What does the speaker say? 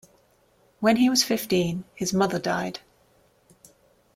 When he was fifteen, his mother died.